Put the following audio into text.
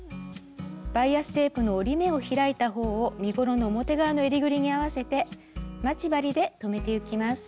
バイアステープの折り目を開いた方を身ごろの表側の襟ぐりに合わせて待ち針で留めてゆきます。